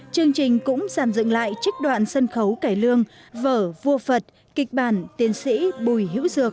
chương trình cũng giảm dựng lại trích đoạn sân khấu cải lương vở vua phật kịch bản tiến sĩ bùi